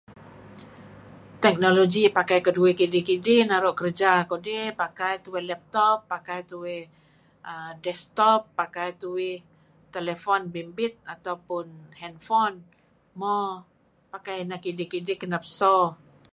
Technology pakai keduih kidih-kidih naru' kerja kudih pakai tuih laptop, pakai tuih desktop, pakai tuih telefon bimbit ataupun handphone, Mo pakai ineh kidih-kidih kenep so.